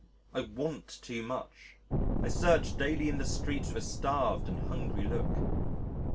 I want too much.... I search daily in the streets with a starved and hungry look.